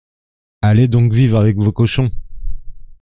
Allez donc vivre avec vos cochons !